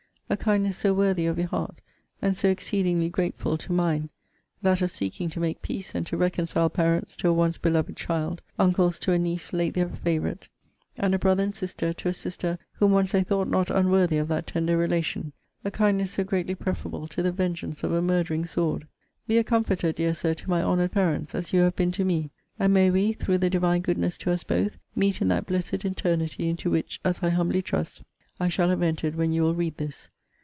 A kindness so worthy of your heart, and so exceedingly grateful to mine: that of seeking to make peace, and to reconcile parents to a once beloved child; uncles to a niece late their favourite; and a brother and sister to a sister whom once they thought not unworthy of that tender relation. A kindness so greatly preferable to the vengeance of a murdering sword. Be a comforter, dear Sir, to my honoured parents, as you have been to me; and may we, through the Divine goodness to us both, meet in that blessed eternity, into which, as I humbly trust, I shall have entered when you will read this.